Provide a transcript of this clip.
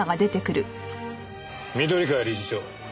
緑川理事長